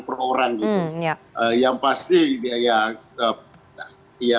per orang yang pasti